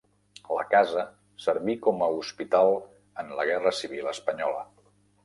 La casa serví com a hospital en la Guerra Civil Espanyola.